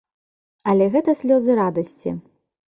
Але гэта слёзы радасці.